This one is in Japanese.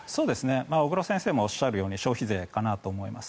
小黒先生もおっしゃるように消費税かなと思います。